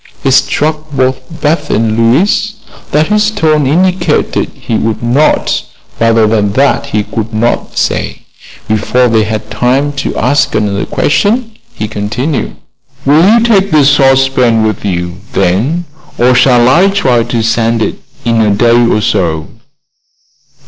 It struck both Beth and Louise that his tone indicated he would not, rather than that he could not say. Before they had time to ask another questioned he continued: "Will you take the saucepan with you, then, or shall I try to send it in a day or so?"